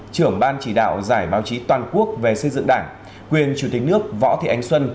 trưởng ban chỉ đạo giải báo chí toàn quốc về xây dựng đảng quyền chủ tịch nước võ thị ánh xuân